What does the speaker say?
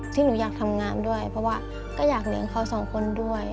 ซึ่งหนูอยากทำงานด้วยเพราะว่าก็อยากเลี้ยงเขาสองคนด้วย